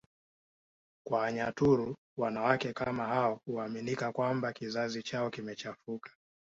kwa Wanyaturu wanawake kama hao huaminika kwamba kizazi chao kimechafuka